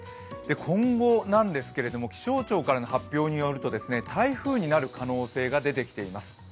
今後なんですけれども気象庁からの発表によると台風になる可能性が出てきています。